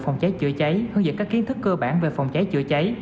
phòng cháy chữa cháy hướng dẫn các kiến thức cơ bản về phòng cháy chữa cháy